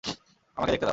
আমাকে দেখতে দাও!